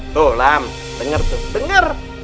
tuh lam denger tuh denger